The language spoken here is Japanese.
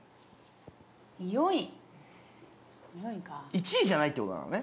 １位じゃないってことだからね。